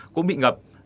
cũng bị ngập